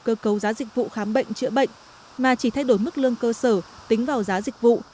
cơ cấu giá dịch vụ khám bệnh chữa bệnh mà chỉ thay đổi mức lương cơ sở tính vào giá dịch vụ